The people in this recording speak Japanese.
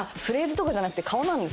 フレーズとかじゃなくて。